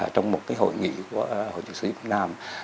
trong một hội nghị của hội nhạc sĩ việt nam